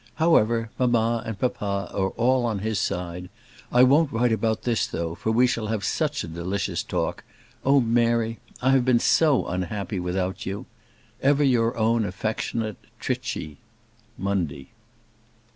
However, mamma and papa are all on his side. I won't write about this, though, for we shall have such a delicious talk. Oh, Mary! I have been so unhappy without you. Ever your own affectionate, TRICHY Monday.